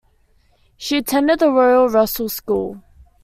She attended the Royal Russell School.